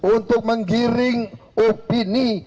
untuk menggiring opini